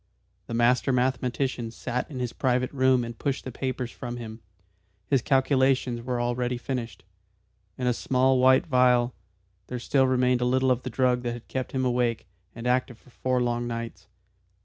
The master mathematician sat in his private room and pushed the papers from him. His calculations were already finished. In a small white phial there still remained a little of the drug that had kept him awake and active for four long nights.